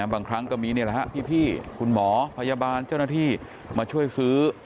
บางครั้งก็มีนี่แหละฮะพี่คุณหมอพยาบาลเจ้าหน้าที่มาช่วยซื้อ